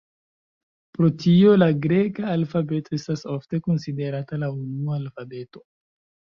Pro tio, la greka alfabeto estas ofte konsiderata la unua alfabeto.